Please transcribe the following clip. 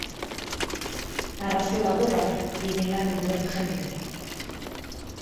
Narrazio laburra da gehien landu duen generoa.